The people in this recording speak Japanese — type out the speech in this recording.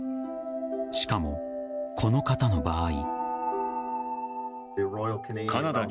しかも、この方の場合。